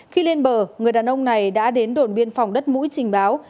khi lên bờ người đàn ông này đã đến đồn biên phòng đất mũi trình báo